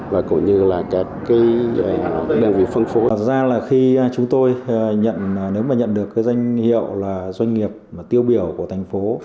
thật ra là khi chúng tôi nhận nếu mà nhận được cái doanh hiệu là doanh nghiệp tiêu biểu của thành phố